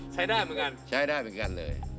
ใช้ได้เหมือนกัน